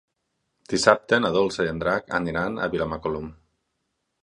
Dissabte na Dolça i en Drac aniran a Vilamacolum.